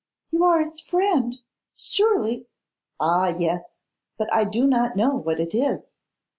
'You are his friend, surely ' 'Ah! yes; but I do not know what it is.